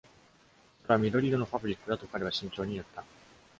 「それは緑色のファブリックだ」と彼は慎重に言った。